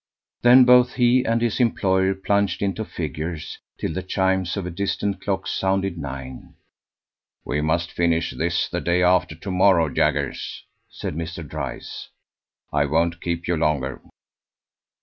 Then both he and his employer plunged into figures, till the chimes of a distant clock sounded nine. "We must finish this the day after to morrow, Jaggers," said Mr. Dryce. "I won't keep you longer." Mr.